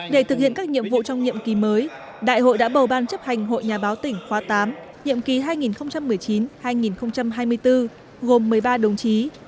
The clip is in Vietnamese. để thực hiện các nhiệm vụ trong nhiệm kỳ mới đại hội đã bầu ban chấp hành hội nhà báo tỉnh khóa tám nhiệm kỳ hai nghìn một mươi chín hai nghìn hai mươi bốn gồm một mươi ba đồng chí